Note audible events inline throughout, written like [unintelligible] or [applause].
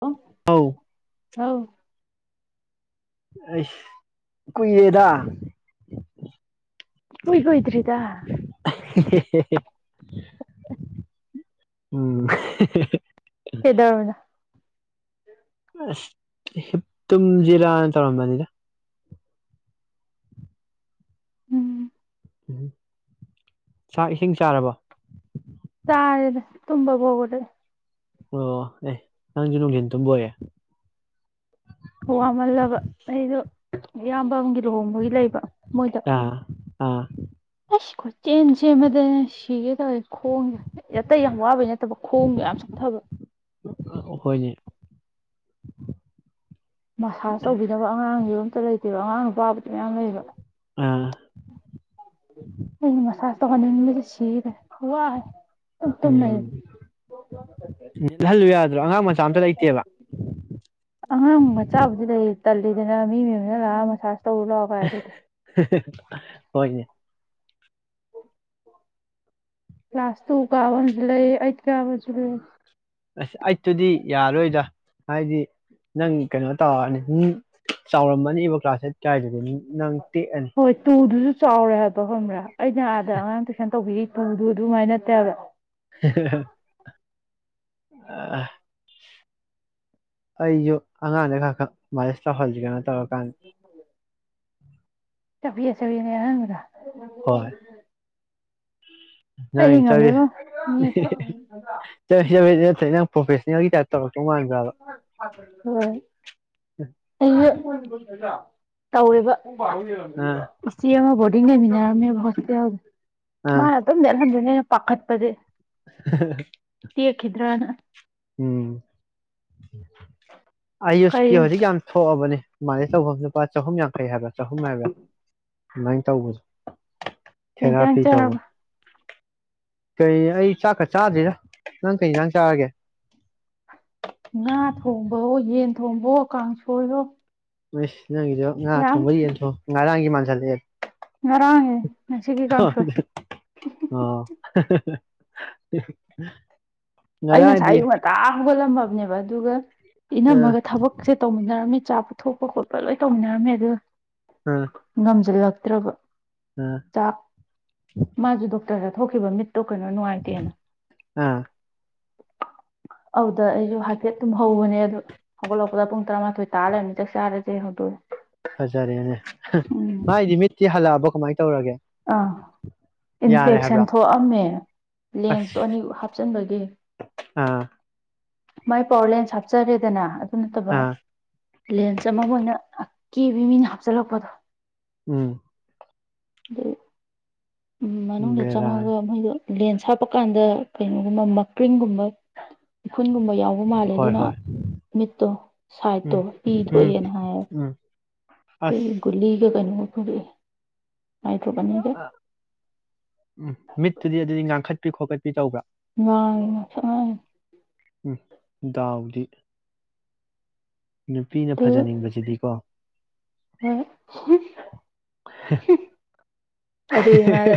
ꯑ ꯑꯧ ꯍꯥꯎ ꯑ ꯀꯏꯔꯗꯥ ꯍꯣꯏ ꯍꯣꯏꯗ꯭ꯔꯔꯤꯗ [unintelligible] ꯎꯝ ꯀꯦꯗꯔꯗ ꯑꯁꯞ ꯇꯨꯝꯖꯤꯔꯥꯅ ꯇꯧꯔꯝꯕꯅꯤꯗ ꯎꯝ ꯎꯝ ꯆꯥꯛ ꯏꯁꯤꯡ ꯆꯥꯔꯕ ꯆꯥꯏꯦ ꯇꯨꯝꯝꯕ ꯍꯒꯗꯦ ꯑꯣ ꯑꯦ ꯅ ꯂꯅꯤꯇꯕꯣꯦ ꯋꯥꯃꯜꯂꯕ ꯑꯩꯗꯣ ꯏꯌꯥꯝꯕꯒꯤ ꯂꯨꯍꯣꯡꯕꯒꯤ ꯂꯩꯕ ꯃꯣꯏꯗ ꯑꯥ ꯑꯥ ꯑꯦꯣ ꯆꯦꯟ ꯆꯦꯟ ꯃ ꯁꯤꯒꯦ ꯇꯏ ꯈꯣꯡꯁꯦ ꯑꯇꯩ ꯌꯥꯝ ꯋꯥꯕꯩ ꯅꯠꯇꯕ ꯈꯣꯡꯒ ꯌꯥꯝ ꯆꯠꯊꯕ ꯍꯣꯏꯅꯦ ꯃꯁꯥꯁ ꯇꯧꯕꯤꯗꯅꯕ ꯑꯉꯥꯡꯁꯨ ꯠꯇ ꯂꯩꯇꯦꯕ ꯑꯉꯥꯡ ꯅꯨꯄꯥꯕꯨꯗꯤ ꯃꯌꯥꯝ ꯂꯩꯕ ꯑꯥ ꯑꯩ ꯃꯁꯥ ꯇꯣꯅꯤꯡ ꯃ ꯁꯤꯦꯕ ꯎꯝ ꯠꯍꯜꯂꯨ ꯌꯥꯗ꯭ꯔꯣ ꯑꯉꯥꯡ ꯃꯆꯥ ꯑꯝꯇ ꯂꯩꯇꯦꯕ ꯑꯉꯥꯡ ꯃꯆꯥꯕꯨꯗꯤ ꯂꯩ ꯇꯜꯂꯤꯗꯅ ꯃꯤꯃꯤꯅ ꯂ ꯃꯁ [unintelligible] ꯍꯣꯏꯅꯦ ꯀ꯭ꯂꯥꯁ ꯇꯨ ꯀꯕꯟꯖꯨꯂ ꯑꯩ ꯌꯥꯕꯖꯒ ꯑꯁ ꯑꯩꯠꯇꯨꯗꯤ ꯌꯥꯔꯣꯏꯗ ꯍꯥꯏꯗꯤ ꯅꯪ ꯀꯩꯅꯣ ꯇꯧꯔꯛꯑꯅꯤ ꯅꯪ ꯆꯥꯎꯔꯝꯃꯅꯤꯕ ꯀ꯭ꯂꯥꯁ ꯑꯩꯠ ꯀꯥꯏꯗꯨꯗꯤ ꯅ ꯍꯣꯏ ꯇꯨꯡ ꯑꯗꯨꯁꯨ ꯆꯥꯎꯔꯦ ꯍꯥꯏꯕꯣ ꯈꯪꯕ꯭ꯔꯥ ꯑꯩꯅ ꯑꯥꯗ ꯑꯉꯥꯡ ꯇꯨꯏꯁꯟ ꯇꯧꯕꯤꯔꯤ ꯇꯗꯨ ꯑꯗꯨꯃꯥꯏ ꯅꯠꯇꯧꯋꯦ [unintelligible] ꯑ ꯑꯩꯁꯨ ꯑꯉꯥꯡꯗ ꯈ ꯈ ꯃꯥꯏꯅꯦꯁ ꯇꯧꯍꯟꯁꯤ ꯀꯩꯅꯣ ꯇꯧꯔ ꯎ ꯆꯐꯦ ꯆꯕꯤꯤꯅꯦ ꯍꯥꯏꯥ [unintelligible] ꯆ ꯉꯝꯗꯦꯉꯣ ꯅꯦꯠꯇꯣ ꯆ ꯆ ꯅꯪ ꯄ꯭ꯔꯐꯦꯁꯅꯦꯜꯒꯤ ꯇꯥꯏ ꯇꯧꯔ [unintelligible] ꯇꯧꯦꯔꯤꯕ ꯑꯥ ꯁꯤ ꯑꯃ ꯣꯔꯗꯤꯡ ꯂꯩꯃꯤꯅ ꯍꯁꯦ ꯃꯥ ꯑꯥ ꯇꯦꯅ ꯅꯟ꯭ꯔ ꯅ ꯄꯥꯈꯠꯄꯁꯦ ꯇꯈꯤꯗ꯭ꯔꯅ ꯎꯝ ꯎꯝ ꯑꯌꯨꯁꯀꯤ ꯀꯔꯤ ꯍꯧꯖꯤꯛ ꯌꯥꯝ ꯊꯣꯛꯑꯕꯅꯦ ꯃꯥꯅꯦ ꯆꯧꯐꯝ ꯂꯨꯄꯥ ꯆꯍꯨꯝ ꯌꯥꯡꯈꯩ ꯍꯥꯏꯕꯥ ꯆꯍꯨꯝ ꯃꯒ ꯑꯗꯨꯃꯥꯏꯅ ꯇꯧꯕꯁ ꯀꯖ ꯆꯕ ꯀꯩ ꯑꯩ ꯆꯥꯛ ꯈ ꯆꯥꯗ꯭ꯣꯏꯔ ꯅꯪ ꯀꯩ ꯅꯪ ꯆꯥꯔꯒꯦ ꯉꯥ ꯊꯣꯡꯕꯍꯣ ꯌꯦꯟ ꯊꯣꯡꯕꯍꯣ ꯀꯥꯡꯁꯣꯏꯔꯣ [unintelligible] ꯅꯪꯒꯤꯗꯣ ꯉꯥ ꯊꯣꯡꯕꯗꯤ ꯌꯦꯟꯊꯣꯡ ꯉꯔꯥꯡꯒꯤ ꯃꯦ [unintelligible] ꯉꯔꯥꯡ ꯉꯁꯤꯒꯤ ꯀꯥꯡꯁꯣꯏ ꯑꯣ [unintelligible] ꯑꯩꯅ ꯉꯔꯥꯡꯗꯤ ꯁꯥꯏ ꯇꯥꯒꯣ ꯂꯝꯂꯝ ꯊꯕꯗꯎꯒ ꯑꯥ ꯏꯅꯝꯃꯒ ꯊꯕꯛꯁꯦ ꯇꯧꯃꯤꯟꯅꯔꯝꯃꯤ ꯆꯆꯥ ꯄꯨꯊꯣꯛꯄ ꯈꯣꯠꯄ ꯂꯣꯏ ꯇꯧꯃꯤꯟꯅꯔꯝꯃꯦ ꯑꯗ ꯑꯥ ꯅꯝꯖꯔꯤ ꯂꯥꯛ ꯠꯇ꯭ꯔꯕ ꯑꯥ ꯆꯥꯛ ꯃꯥꯖꯨꯗ ꯊꯣꯛꯈꯤꯕ ꯃꯤꯠ ꯇꯣ ꯀꯩꯅꯣ ꯅꯨꯡꯉꯥꯏꯇꯦꯅ ꯑꯥ ꯑꯗꯨꯗ ꯑꯩꯁꯨ ꯍꯥꯏꯐꯦꯠ ꯑꯗꯨꯝ ꯍꯧꯕꯅꯦ ꯑꯗꯨ ꯍꯧꯒꯠꯂꯛꯄꯗ ꯄꯨꯡ ꯇꯔꯥꯃꯥꯊꯣꯏ ꯇꯥꯔꯅꯤ ꯆꯥꯛ ꯆꯥꯔꯁꯦ ꯍꯧꯗꯣꯛꯑꯦ ꯐꯖꯔꯦꯅꯦ ꯎꯝ ꯃꯥꯥꯏꯗꯤ ꯃꯤꯠꯇꯤ ꯍꯜꯂꯛꯑꯕ ꯀꯃꯥꯏꯅ ꯇꯧꯔꯒꯦ ꯑꯥ ꯌꯥꯔꯦ ꯏꯟꯐꯦꯛꯁꯟ ꯍꯥꯏꯕ꯭ꯔꯥ ꯊꯣꯛꯑꯝꯃꯦ ꯑꯁ ꯂꯦꯟꯁꯇꯣ ꯑꯅꯤ ꯍꯥꯞꯆꯤꯟꯕꯒꯤꯦ ꯑꯥ ꯃꯥꯏ ꯄꯥꯎꯔꯂꯦꯟꯁ ꯍꯥꯞꯆꯔꯦꯗꯅ ꯑꯗꯨ ꯅꯠꯇꯕ ꯑꯥ ꯂꯦꯟꯁ ꯑꯃ ꯑꯣꯏꯅ ꯀꯦꯕꯤ ꯃꯤꯅ ꯍꯥꯞꯆꯤꯜꯂꯛꯄꯗꯣ ꯎꯝ ꯎ ꯎꯝ ꯃꯅꯨꯡꯗ ꯕꯦꯔꯥꯅꯤ ꯆꯪꯉꯒ ꯃꯣꯏꯗꯣ ꯂꯦꯟ ꯁꯥꯞꯄ ꯀꯥꯟꯗ ꯀꯩꯅꯣꯒꯨꯝꯕ ꯃꯀ꯭ꯔꯤꯡꯒꯨꯝꯕ ꯈꯨꯨꯟꯒꯨꯝꯕ ꯌꯥꯎꯕ ꯃꯥꯜꯂꯦ ꯍꯣꯏ ꯑꯗꯨꯅ ꯍꯣꯏ ꯃꯤꯠꯇꯣ ꯁꯥꯏꯠꯇꯣ ꯎꯝ ꯄꯤ ꯎꯝ ꯊꯣꯛꯣꯛꯑꯦꯅ ꯍꯥꯏꯌꯦ ꯎꯝ ꯑꯁ ꯑꯗꯨꯒꯤ ꯒꯨꯂꯤꯒ ꯀꯩꯅꯣ ꯑꯗꯨ ꯥꯏꯗ꯭ꯔꯣꯕꯅꯤꯒ ꯑ ꯎꯝ ꯃꯠꯨꯗꯤ ꯑꯗꯨ ꯀꯥꯡꯥꯡꯈꯠꯄꯤ ꯈꯣꯀꯠꯄꯤ ꯇꯧꯕ꯭ꯔꯥ ꯉ ꯎꯝ ꯗꯥꯎꯗꯤ ꯅꯨꯄꯤꯅ ꯐꯖꯅꯤꯡꯕꯁꯤꯗꯤꯀꯣ ꯑ [unintelligible] ꯑꯗꯨ ꯃꯥꯅ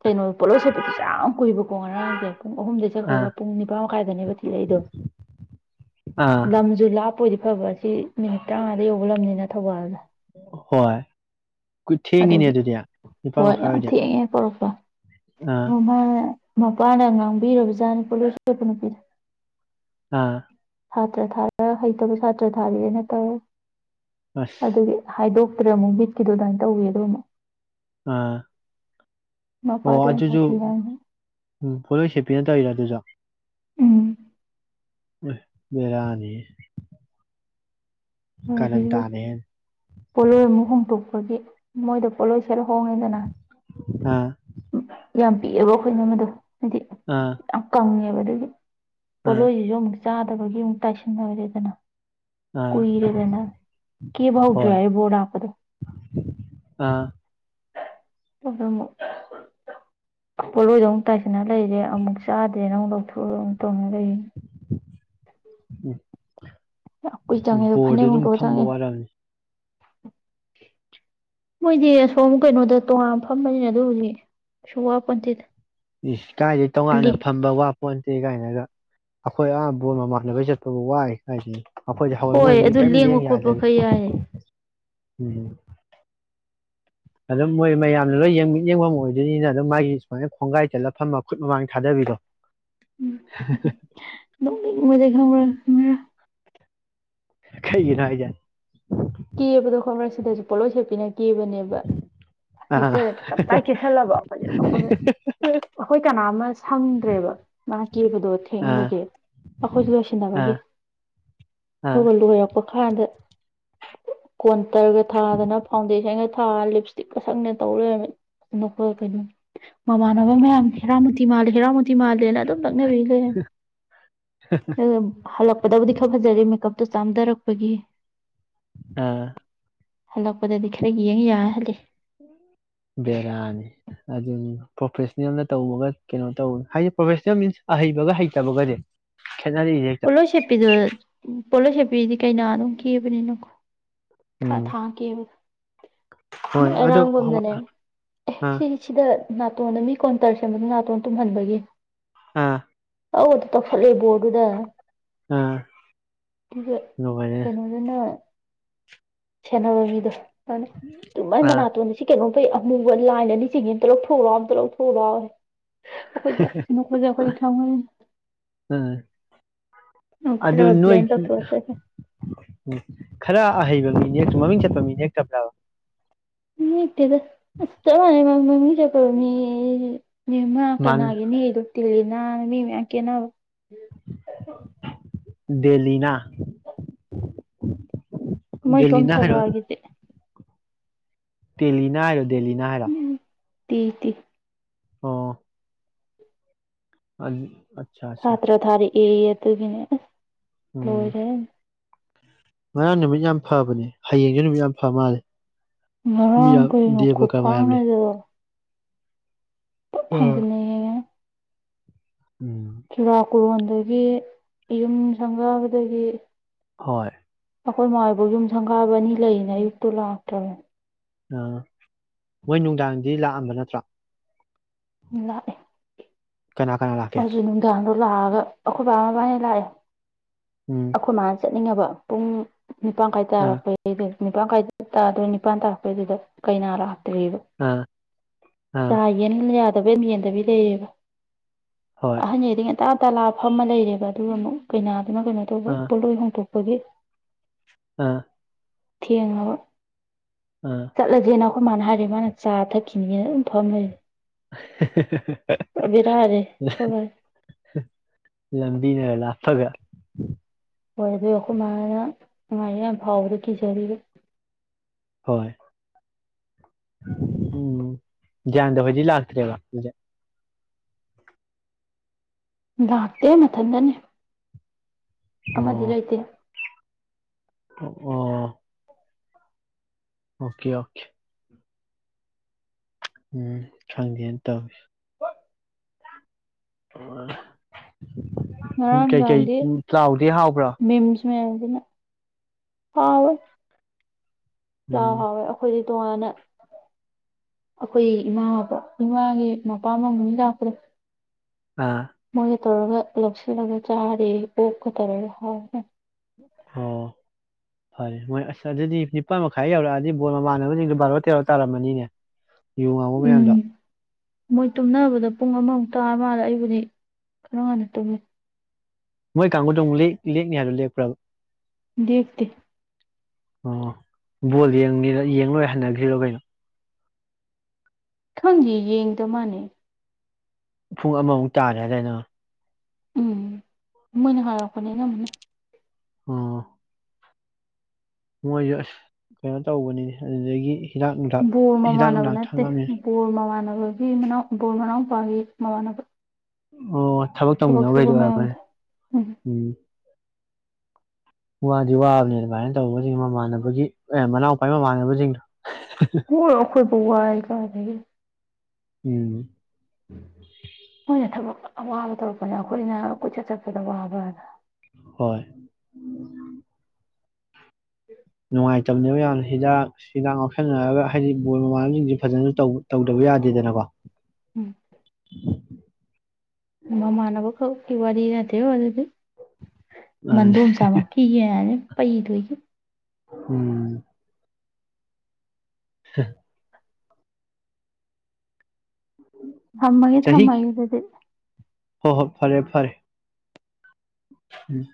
ꯀꯩꯅꯣ ꯄꯣꯠꯂꯧ ꯁꯦꯄꯤꯠꯇꯁꯨ ꯌꯥꯝ ꯀꯨꯏꯕꯀꯣ ꯉꯔꯥꯡꯗ ꯄꯨꯡ ꯑꯍꯨꯝꯗꯒꯤꯩ ꯑꯥ ꯆꯠꯈ꯭ꯔꯒ ꯄꯨꯡ ꯅꯤꯄꯥꯟ ꯃꯈꯥꯏꯗꯅꯦꯕ ꯊꯤꯔꯛꯏꯗꯣ ꯑꯥ ꯂꯝꯁꯨ ꯂꯥꯞ ꯑꯩꯣꯏꯗꯤ ꯐꯕ ꯁꯤ ꯃꯤꯅꯤꯠ ꯇꯔꯥꯃꯉꯥꯗ ꯌꯧꯕ ꯂꯝꯅꯤꯅ ꯊꯧꯕꯥꯜꯗ ꯍꯣꯏ ꯊꯦꯡ ꯀꯅꯤ ꯑꯗꯨꯒꯤ ꯑꯗꯨꯗꯤꯌꯥ ꯍꯣꯏ ꯉ ꯊ ꯄꯨꯔꯣꯄ ꯑꯥ ꯑꯣꯃ ꯃꯄꯥꯅ ꯉꯥꯡꯕꯤꯨ ꯖꯥꯠꯅꯤꯄꯣ ꯂꯣꯏꯁꯤꯦꯄ ꯅꯨꯄꯤꯗ ꯑꯥ ꯁꯥꯇ꯭ꯔ ꯊꯥꯔ ꯍꯩꯇꯕ ꯁꯥꯇ꯭ꯔ ꯊꯥꯕꯤꯔꯦꯅ ꯇꯧꯋꯦ ꯑꯁ ꯑꯗꯨꯗꯤ ꯍꯥꯏꯗꯣꯛ ꯆꯠꯇ꯭ꯔꯦ ꯑꯃꯨꯛꯕꯤꯠꯀꯤꯗꯣ ꯑꯗꯨꯃꯅ ꯇꯧꯋꯦꯗꯣ ꯑꯃꯨꯛ ꯑ ꯑꯣ ꯃꯄꯥꯗꯣ ꯌꯥꯝ ꯑꯗꯨꯁꯨꯨ ꯁꯥꯊꯤ ꯍꯥꯏꯅ ꯎꯝ ꯄꯣꯂꯣꯏꯁꯦꯄꯤꯅ ꯇꯧꯔꯤꯔ ꯑꯗꯨꯖ ꯎꯝ ꯕꯤꯔꯅꯤ ꯄꯣꯂꯣ ꯃ ꯍꯨꯝ ꯇ ꯗꯤ ꯃꯣꯏ ꯄꯂꯣꯏ ꯐꯔ ꯍꯉꯗꯅ ꯑꯥ ꯌꯥꯝ ꯄꯤꯛꯑꯦꯕ ꯑꯩꯈꯣꯏꯅ ꯃꯗꯣ ꯍꯥꯏꯗꯤ ꯑꯥ ꯌꯥꯝ ꯀꯪꯉꯦꯕ ꯎ ꯑꯥ ꯄꯨꯣꯂꯣ ꯌꯣ ꯆꯥꯗꯕꯒꯤ ꯑꯃꯨꯛ ꯇꯥꯏꯁꯟꯔꯦꯗꯅ ꯑꯥ ꯅ ꯀ ꯍꯣꯏ ꯥꯎꯖ ꯣꯔꯗ ꯍꯥꯗ ꯑꯥ ꯑꯗꯨ ꯑꯃꯨꯛ ꯄꯣꯠꯂꯣꯏꯗ ꯑꯃꯨꯛ ꯇꯥꯏꯁꯤꯟꯅ ꯂꯩꯔꯦ ꯑꯃꯨꯛ ꯆꯥꯗ꯭ꯔꯦ ꯅꯪ ꯂꯧꯊꯣꯛꯑꯒ ꯑꯃꯨꯛ ꯇꯧꯅ ꯂꯩꯔꯤꯅꯤ ꯎꯝ ꯌꯥꯝ ꯀꯨꯏ ꯆꯪꯉꯦ ꯑꯗꯨꯗ ꯕꯣꯔꯗ ꯐꯅꯦꯛ ꯑꯗꯨꯝ ꯍꯨꯗꯣꯛꯒ ꯐꯝꯕ ꯆꯪꯉꯦ ꯋꯥꯔꯝꯅꯤ ꯃꯣꯏꯗꯤ ꯑꯁꯣꯝ ꯀꯩꯅꯣꯗ ꯇꯣꯉꯅ ꯐꯝꯕꯅꯤꯅ ꯑꯗꯨꯕꯨꯗꯤ ꯀꯩꯁꯨ ꯋꯥꯄꯟꯊꯦꯗ ꯏꯁ ꯀꯥꯏꯗꯒꯤꯩ ꯇꯣꯉꯥꯟꯅ ꯐꯝꯕ ꯋꯥꯄꯣꯟꯟꯇꯦ ꯀꯥꯏꯅ ꯒ ꯑꯩꯈꯣꯏ ꯑꯍꯥ ꯕꯣꯟ ꯃꯃꯥꯟꯅꯕꯒꯤ ꯆꯠꯄꯕꯨ ꯋꯥꯏ ꯀꯗꯅꯦ ꯑꯩꯈꯣꯏꯁ ꯍꯋꯥꯏ ꯍꯣꯏ ꯃꯣꯏꯁꯤꯗꯤ ꯑꯗꯨ ꯀꯔꯤꯝ ꯂꯦꯡꯕ ꯂꯦꯡ ꯈꯣꯠꯄ ꯌꯥꯗꯒꯦ ꯈꯔ ꯌꯥꯏꯌꯦ ꯎꯝ ꯑꯗꯨꯝ ꯃꯣꯏ ꯃꯌꯥꯝꯅ ꯂꯣꯏ ꯌꯦꯡꯃꯤꯠ ꯌꯦꯡꯐꯝ ꯑꯣꯏꯗꯣꯏꯅꯤꯅ ꯑꯗꯨꯝ ꯃꯥꯒꯤ ꯁꯨꯃꯥꯏꯅ ꯈꯣꯡꯒꯥꯏ ꯆꯠꯂ ꯐꯃ ꯈꯨꯠ ꯃꯃꯥꯡ ꯊꯥꯗꯕꯤꯗꯣ ꯑꯗꯨ ꯃꯖꯦ ꯈꯔ ꯈꯥꯏꯒꯅ ꯍꯥꯏꯖ ꯀꯦꯕꯗꯣ ꯈꯣꯠꯕ꯭ꯔ ꯁꯤꯗꯁꯨ ꯄꯣꯠꯂꯣꯏ ꯁꯦꯠꯄꯤꯅ ꯀꯦꯕꯅꯦꯕ ꯑꯥ ꯍꯦꯛꯇꯦ ꯇꯞꯇꯥꯏ ꯀꯦꯁꯜꯂꯕ ꯐꯖꯅꯈ ꯑꯩꯈꯣꯏ ꯀꯅꯥ ꯑꯃ ꯁꯪꯗ꯭ꯔꯦꯕ ꯃꯥ ꯀꯤꯕꯗꯣ ꯑꯥ ꯊꯦꯡꯕꯒꯦ ꯑꯩꯈꯣꯏꯁꯨ ꯑꯥ ꯂꯣꯏꯁꯤꯟꯅꯕꯒꯤ ꯑꯥ ꯊꯧꯒꯜ ꯂꯣꯏꯔꯛꯄ ꯀꯥꯟꯗ ꯀꯣꯟꯇꯔꯒ ꯊꯥꯗꯅ ꯐꯥꯎꯟꯗꯦꯁꯟꯒ ꯊꯥ ꯂꯤꯞ ꯏꯁꯇꯤꯛꯀ ꯁꯪꯅ ꯇꯧꯔꯣꯏꯔ ꯀꯩꯅꯣ ꯃꯃꯥꯟꯅꯕ ꯃꯌꯥꯝ ꯍꯦꯔꯥꯃꯨꯇꯤ ꯃꯥꯜꯂ ꯍꯦꯔꯥꯃꯨꯇꯤ ꯃꯥꯂ ꯅ ꯑꯗꯨꯝ ꯅꯛꯅꯕꯤꯈ꯭ꯔꯦ ꯍꯜꯂꯛꯄꯗꯕꯨꯗꯤ ꯈꯔ ꯐꯖꯔꯦ ꯃꯦꯀꯞ ꯑꯗꯨ ꯆꯥꯝꯊꯔꯛꯄꯒꯤ ꯑꯥ ꯍꯜꯂꯛꯄꯗꯗꯤ ꯈꯔ ꯌꯦꯡ ꯌꯥ ꯍꯜꯂ ꯕꯦꯔꯅꯤ ꯑꯗꯨꯝ ꯄ꯭ꯔꯣꯐꯦꯁꯅꯦꯜꯅ ꯇꯧꯕꯒ ꯀꯩꯅꯣ ꯇꯧꯕ ꯍꯥꯏꯗꯤ ꯄ꯭ꯔꯣꯐꯦꯁꯅꯦꯜ ꯃꯤꯟꯁ ꯑꯍꯩꯕꯒ ꯍꯩꯇꯕꯒꯗꯤ ꯄꯣꯠꯂꯣꯏ ꯁꯦꯠꯄꯤꯗꯣ ꯄꯣꯠꯂꯣꯏ ꯁꯦꯠꯄꯤꯗꯤ ꯀꯩꯅ ꯝ ꯀꯕꯅꯤ ꯅꯣ ꯎꯝ ꯊꯥꯡꯀꯦꯕ ꯍꯣꯏ ꯑꯗꯣ ꯑꯔꯥꯡꯕꯝꯗꯅꯦ ꯑꯦ ꯑꯥ ꯁꯤ ꯁꯤꯗ ꯅꯥꯇꯣꯟꯗ ꯃꯤ ꯀꯣꯟꯇꯔ ꯁꯦꯝꯕꯗ ꯅꯥꯇꯣꯟ ꯇꯨꯝꯍꯟꯕꯒꯤ ꯍꯥꯥ ꯑꯧ ꯑꯗꯨ ꯇꯧꯁꯜꯂꯦ ꯕꯣꯔ ꯑꯗꯨꯗ ꯑꯥ ꯦ ꯅꯨꯡꯉꯥꯏꯔꯦ ꯀꯩꯅꯣꯗꯅ ꯁꯦꯟꯅꯅꯕ ꯃꯤꯗꯣ ꯍꯅ ꯇꯨꯃꯥꯏ ꯑꯥ ꯃꯅꯥ ꯇꯣꯟꯁꯤ ꯀꯩꯅꯣ ꯑꯩꯈꯣꯏ ꯑꯃꯨꯕ ꯂꯥꯏꯟ ꯑꯅꯤ ꯆꯤꯡꯉ ꯑ ꯑꯃꯇ ꯂꯧꯊꯣꯛꯎꯣ ꯑꯝꯇ ꯂꯧꯊꯣꯛꯎꯣ ꯈꯣꯏꯁꯤ ꯅꯖ ꯀꯣꯏꯗꯤ ꯊ ꯑꯥ ꯑꯗꯨ ꯅꯣꯏꯒꯤ ꯈꯔ ꯍꯕ ꯃꯤꯅꯤ ꯃꯃꯤꯡ ꯆꯠꯄ ꯃꯤꯅꯦ ꯐ꯭ꯔꯕ ꯃꯤꯗ ꯑ ꯆ ꯃꯥꯅꯦ ꯃꯃꯤ ꯆ ꯀꯣꯅꯤ ꯅ ꯍꯥ ꯃꯥꯟ ꯀꯦꯅꯒꯦꯅꯤꯨ ꯇꯅ ꯃꯤ ꯌꯥꯀꯦꯅꯕ ꯗꯦꯂꯤꯅ ꯃꯣꯏ ꯁꯣꯝ ꯊꯧꯒꯥꯜꯒꯤꯗꯤ ꯇꯦꯂꯤꯅ ꯍꯥꯏꯔ ꯗꯦꯂꯤꯅ ꯍꯥꯏꯔ ꯇ ꯇ ꯑꯣ ꯑ ꯑꯆꯥ ꯑꯆꯥ ꯑꯦ ꯑꯗꯨ ꯀꯅꯦ ꯎꯝ ꯉꯔꯥꯡ ꯅꯨꯃꯤꯠ ꯌꯥꯝ ꯐꯕꯅꯦ ꯍꯌꯦꯡꯁꯨ ꯅꯨꯃꯤꯠ ꯌꯥꯝ ꯐ ꯃꯥꯜꯂꯦ ꯃꯤ ꯉꯔꯥꯡ ꯌꯥꯝ ꯀꯩꯅꯣ ꯗꯦꯕ ꯀꯔꯃ ꯌꯥꯝ ꯂꯩ ꯈꯨꯐꯥꯡꯅꯗꯣ ꯐꯪꯒꯅ ꯍꯥꯏ ꯎꯝ ꯍ ꯀꯣꯔꯣꯟꯗꯒꯤ ꯌꯨꯝ ꯁꯪꯒꯥꯕꯗꯒꯤ ꯍꯣꯏ ꯑꯩꯈꯣꯏ ꯃꯣꯏꯕ ꯌꯨꯝ ꯁꯪꯒꯥꯕ ꯑꯅꯤ ꯂꯩꯌꯦꯅ ꯑꯌꯨꯛꯇꯨ ꯂꯥꯛꯇ꯭ꯔꯕꯦ ꯑꯥ ꯃꯣꯏ ꯅꯨꯡꯗꯥꯡꯗꯤ ꯂꯥꯛꯑꯝꯕ ꯅꯠꯇ꯭ꯔꯥ ꯏ ꯀꯅꯥ ꯀꯅꯥ ꯂꯥꯛꯀꯦ ꯂꯥꯛꯑꯒ ꯑꯩꯈꯣꯏ ꯕꯥ ꯃꯕꯥꯅ ꯂꯥꯛꯑꯦ ꯎꯝ ꯑꯈꯣ ꯃꯥ ꯆꯠ ꯆꯠꯅꯤꯡꯉꯕ ꯄꯨꯡ ꯅꯤꯄꯥꯟ ꯀꯥꯏ ꯑꯥ ꯇꯥꯔꯛꯄ ꯑꯩꯗꯤ ꯅꯤꯄꯥꯟ ꯃꯈꯥꯏꯗ ꯇꯥꯗꯣꯏ ꯅꯤꯄꯥꯟ ꯇꯥꯔꯛꯄꯩꯗꯨꯗ ꯀꯩ ꯔ ꯕ ꯑꯥ ꯑꯥ ꯆꯅꯤ ꯇꯕ ꯃꯤꯦꯟꯗꯕꯤ ꯂꯩꯌꯦꯕ ꯍꯣꯏ ꯑꯍ ꯌꯦꯗꯤꯉ ꯍꯞꯇꯥ ꯇꯂꯥꯞ ꯐ ꯑꯃ ꯂꯩꯔꯦꯕ ꯑꯗꯨꯒ ꯑꯃꯨꯛ ꯀꯩꯅꯥ ꯑꯗꯨ ꯀꯩꯅꯣ ꯑꯥ ꯇꯧꯕꯣꯜꯔꯣꯏ ꯍꯣꯡꯇꯣꯛ ꯈꯒꯤꯦ ꯑꯥ ꯊꯦꯡꯉꯕ ꯑꯥ ꯆꯠꯂꯖꯅ ꯑꯩꯈꯣꯏ ꯃꯥꯅ ꯍꯥꯏꯔꯦ ꯃꯥꯅ ꯆꯥ ꯊꯛꯈꯤꯅꯤꯅ ꯑꯗꯨꯝ ꯐꯝ ꯂꯩꯔꯦ ꯄꯨꯔꯥ ꯕꯦꯔꯥꯅꯦ ꯑꯩꯈꯣꯏ ꯕꯥꯁꯦ [inaudible] ꯂꯝꯕꯤꯅ ꯈꯔ ꯂꯥꯞꯄꯒ ꯍꯣꯏ ꯑꯗꯨ ꯑꯩꯈꯣꯏ ꯃꯥꯅ ꯉꯥꯔꯤꯌꯥꯟ ꯐꯥꯎꯕꯗꯨ ꯀꯤꯖꯔꯤꯕ ꯍꯣꯏ ꯎꯝ ꯒ꯭ꯌꯥꯟꯗ ꯍꫭꯏꯗꯤ ꯂꯥꯛꯇ꯭ꯔꯦꯕ ꯂꯥꯛꯇꯦ ꯃꯊꯟꯗꯅꯦ ꯑꯃꯗꯤ ꯑꯣ ꯂꯩꯇꯦ ꯑꯣ ꯑꯣꯀꯦ ꯑꯣꯀꯦ ꯎꯝ ꯈꯪꯗꯦꯅ ꯇꯧꯏ ꯑꯣ ꯉꯔꯥꯡ ꯀꯩꯀꯩ ꯅꯨꯡꯗꯥꯡꯗꯤ ꯊꯤ ꯆꯥꯎꯗꯤ ꯍꯥꯎꯕ꯭ꯔꯥ ꯃꯤꯝꯁ ꯃꯌꯥꯝꯁꯤꯅ ꯍꯥꯎꯋꯦ ꯄ꯭ꯂꯥꯎ ꯎꯝ ꯍꯥꯎꯋꯦ ꯑꯩꯈꯣꯏ ꯇꯣꯉꯥꯟꯅ ꯑꯩꯈꯣꯏ ꯏꯃꯥꯕ ꯏꯃꯥꯒꯤ ꯃꯄꯥꯝ ꯂꫭꯝꯒꯤ ꯃꯤ ꯂꯥꯛꯄꯗꫭ ꯑꯥ ꯇꯧꯔꯒ ꯂꯧꯁꯤꯜꯂꯒ ꯆꯥꯔꯤ ꯑꯣꯛꯀ ꯇꯧꯔꯒ ꯍꯥꯎꯋꯦ ꯍꯥꯎ ꯑꯣ ꯐꯔꯦ ꯃꯣꯏ ꯑꯁ ꯑꯗꯨꯗꯤ ꯅꯤꯄꯥꯥꯟ ꯃ ꯈꯥꯏ ꯌꯧꯔꯛ ꯑꯗꯤ ꯕꫭꯔ ꯃꯃꯥꯟꯅꯕꯁꯤꯡꯗꫭ ꯕꯥꯔꫭ ꯀꯩꯅꫭ ꯇꯥꯔꯝꯃꯅꯤꯅꯦ ꯌꯨ ꯉꯥꯎꯕ ꯎꯝ ꯃꯌꯥꯝꯗꯣ ꯃꯣꯏ ꯇꯨꯝꯅꯕꯗ ꯄꯨꯡ ꯑꯃꯃꯨꯛ ꯇꯥ ꯃꯥꯜꯂꯦ ꯑꯩꯕꯨꯗꯤ ꯈꯔ ꯉꯟꯅ ꯇꯨꯝꯃꯦ ꯃꯣꯏ ꯀꯥꯒꯨꯗꯨ ꯃꯨꯛ ꯂꯦꯛ ꯂꯦꯛꯅꯤ ꯍꯥꯏꯕꯗꯨ ꯂꯦꯛ ꯄ꯭ꯔꯥꯕ ꯗꯦꯞꯇꯦ ꯑꯣ ꯕꯣꯜ ꯌꯦꯡ ꯉꯤꯔꯥ ꯌꯦꯡꯂꯣꯏꯒ ꯍꯟꯅꯘ꯭ꯔꯤꯔꫭ ꯀꯩꯅꯣ ꯈꯪꯈꯤꯌꯦ ꯌꯦꯡꯗ ꯃꯥꯅꯦ ꯄꯨꯡ ꯑꯃꯃꯨꯛ ꯇꯥꯔꯦ ꯍꯥꯏꯗꯥꯏ ꯅꯪ ꯎꯝ ꯃꯣꯏꯅ ꯍꯥꯏꯔꯛꯄꯅꯦ ꯏꯅꯝꯃꯅ ꯑꫭ ꯃꯣꯏꯁꯨ ꯑꯁ ꯀꯩꯅꯣ ꯇꯧꯕꯅꯤꯅꯦ ꯑꯗꯨꯗꯒꯤ ꯍꯤꯗꯥꯛ ꯅꯨꯡꯊꯥꯛ ꯕꯣꯔ ꯍꯤꯗꯥꯛ ꯃꯃꯥꯟꯅꯕ ꯅꯨꯡꯊꯥꯛ ꯅꯠꯇꯦ ꯊꯛꯑꯝꯅꯤ ꯕꯣꯔ ꯃꯃꯥꯟꯅꯕꯒꯤ ꯃꯅꯥꯎ ꯕꯣꯔ ꯃꯅꯥꯎ ꯄꯥꯒꯤ ꯃꯃꯥꯟꯅꯕ ꯑꯣ ꯊꯕꯛ ꯇꯧꯃꯤꯟꯅꯕ ꯁꯨꯕ ꯈꯩꯗꯣ ꯑꯣꯏꯔꯕꯅꯦ ꯃꯌꯥꯝꯗꯣ ꯎꯝ ꯋꯥꯗꯤ ꯋꯥꯕꯅꯦ ꯑꯗꯨꯃꯥꯏꯅ ꯇꯧꯕꯁꯤꯡ ꯃꯃꯥꯟꯅꯕꯒꯤ ꯑꯦ ꯃꯅꯥꯎꯄꯥꯏ ꯃꯃꯥꯟꯅꯕꯁꯤꯡꯗꯣ ꯃꫭꯏ ꯑꯈꫭꯏ ꯇ ꯋꯥꯏ ꯀꯥꯏꯗꯒꯤ ꯎꯝ ꯃꯣꯏꯅ ꯊꯕꯛ ꯑꯋꯥꯕ ꯇꯧꯔꯛꯄꯅꯦ ꯑꯩꯈꯣꯏꯅ ꯀꯣꯏꯆꯠ ꯆꯠꯄꯗ ꯋꯥꯕ ꯍꯣꯏ ꯅꯨꯡꯉꯥꯏ ꯆꯝꯅꯦꯕ ꯃꯌꯥꯝꯅ ꯍꯤꯗꯥꯛ ꯍꯤꯗꯥꯛ ꯉꯞꯁꯟꯅꯔꯒ ꯍꯥꯏꯗꯤ ꯕꯣꯏ ꯃꯃꯥꯟꯅꯕꯁꯤꯡꯁꯦ ꯐꯖꯅꯁꯨ ꯇꯧꯗꯕ ꯌꯥꯗꯦꯗꯅꯀꯣ ꯎꯝ ꯎ ꯃ ꯃꯅꯅꯕ ꯀ ꯀ ꯋꯥꯔꯤꯅꯠꯇꯦꯣ ꯑꯗꯨꯗꯤ ꯃꯥꯅꯦ ꯃꯟꯗꯨꯁꯥ ꯀ ꯍꯥꯏꯅꯦ ꯑꯩꯏꯗꯒꯤ ꯎꯝ ꯍ ꯊꯝꯃꯒꯦ ꯆꯍꯤ ꯊꯝꯃꯒꯦ ꯑꯗꯨꯗꯤ ꯍꯣꯏ ꯍꯣꯏ ꯐꯔꯦ ꯐꯔꯦ ꯎꯝ